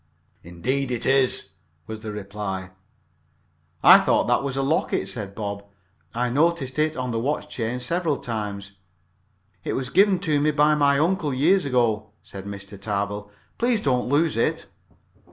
"Indeed it is," was the reply. "I thought that was a locket," said Bob. "I noticed it on the watch chain several times." "It was given to me by my uncle, years ago," said Mr. Tarbill. "Please don't lose it."